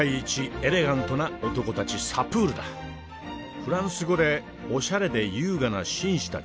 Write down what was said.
フランス語でオシャレで優雅な紳士たち